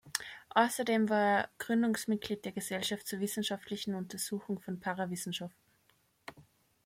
Außerdem war er Gründungsmitglied der Gesellschaft zur wissenschaftlichen Untersuchung von Parawissenschaften.